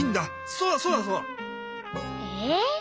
そうだそうだそうだ！ええ？